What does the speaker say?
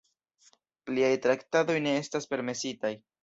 Pliaj traktadoj ne estas permesitaj.